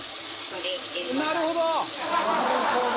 「なるほど！」